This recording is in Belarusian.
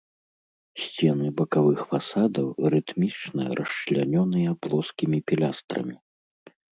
Сцены бакавых фасадаў рытмічна расчлянёныя плоскімі пілястрамі.